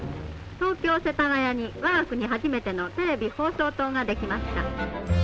「東京・世田谷に我が国初めてのテレビ放送塔が出来ました」。